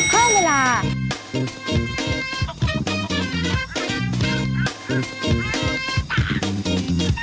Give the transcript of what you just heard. ขั้นเวลา